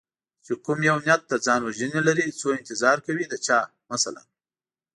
چې کوم یو نیت د ځان وژنې لري څو انتظار کوي د چا مثلا